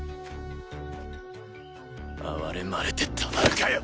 哀れまれてたまるかよ！